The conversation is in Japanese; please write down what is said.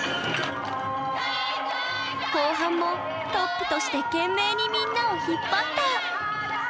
後半もトップとして懸命にみんなを引っ張った！